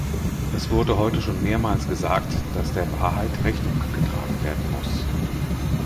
Es wurde heute schon mehrmals gesagt, dass der Wahrheit Rechnung getragen werden muss.